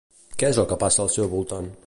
Què és el passa al seu voltant?